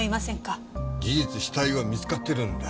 事実死体は見つかってるんだ。